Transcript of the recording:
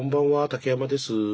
竹山です。